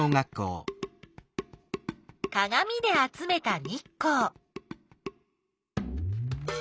かがみで集めた日光。